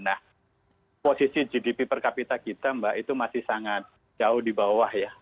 nah posisi gdp per kapita kita mbak itu masih sangat jauh di bawah ya